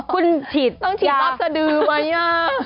คุณต้องติดรับสะดือไหมอ่ะ